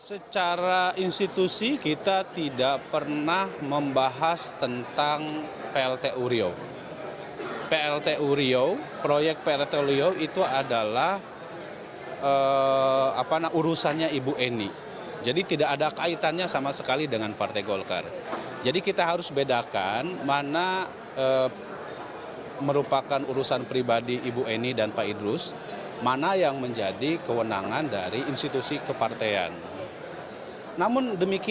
aceh mengatakan golkar akan kooperatif dengan kpk jika memang kpk akan mengaudit keuangan partai